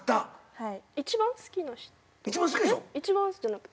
はい。